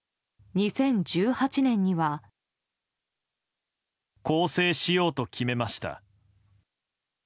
２０１８年には。更生しようと決めました。